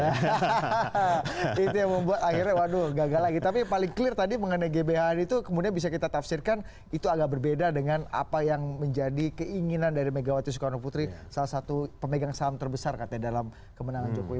hahaha itu yang membuat akhirnya waduh gagal lagi tapi paling clear tadi mengenai gbhn itu kemudian bisa kita tafsirkan itu agak berbeda dengan apa yang menjadi keinginan dari megawati soekarno putri salah satu pemegang saham terbesar katanya dalam kemenangan jokowi